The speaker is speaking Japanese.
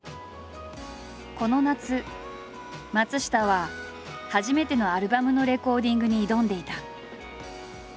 この夏松下は初めてのアルバムのレコーディングに挑んでいた。